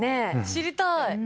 知りたい。